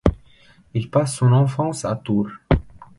Il passe son enfance à Tours.